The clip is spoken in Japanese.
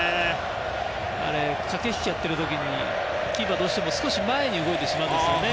駆け引きをやっている時にキーパーはどうしても少し前に動いてしまうんですよね。